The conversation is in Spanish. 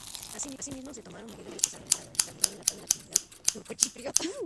Asimismo, se tomaron medidas especiales para garantizar la seguridad de la comunidad turcochipriota.